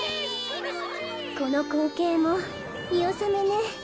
このこうけいもみおさめね。